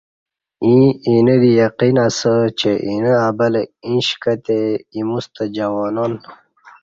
ییں اینہ دی یقین اسہ چہ اینہ ابلہ ایݩش کہتی ایموستہ جوانان